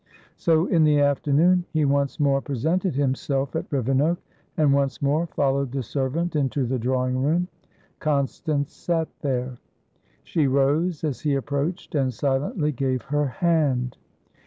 So, in the afternoon he once more presented himself at Rivenoak, and once more followed the servant into the drawing room; Constance sat there; she rose as he approached, and silently gave her hand.